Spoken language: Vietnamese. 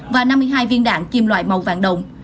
và năm mươi hai viên đạn kim loại màu vàng đồng